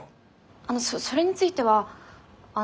あのそれについてはあの。